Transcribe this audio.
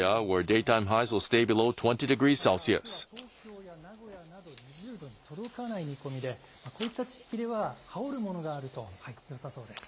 また、あすは東京や名古屋など、２０度に届かない見込みで、こういった地域では羽織るものがあるとよさそうです。